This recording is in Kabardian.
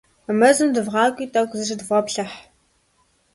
Мэзым дывгъакӀуи, тӀэкӀу зыщыдвгъэплъыхь.